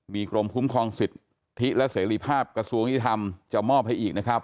มีกรมคุ้มครองสิทธิและเสรีภาพกระทรวงยุทธรรมจะมอบให้อีกนะครับ